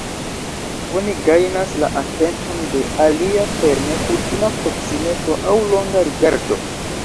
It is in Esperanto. Oni gajnas la atenton de alia per nekutima proksimeco aŭ longa rigardo.